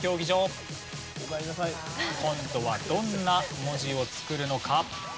今度はどんな文字を作るのか？